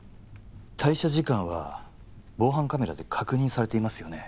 退社時間は防犯カメラで確認されていますよね？